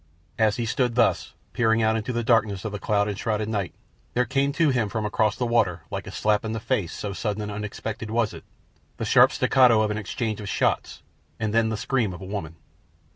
As he stood thus, peering out into the darkness of the cloud enshrouded night, there came to him from across the water, like a slap in the face, so sudden and unexpected was it, the sharp staccato of an exchange of shots and then the scream of a woman.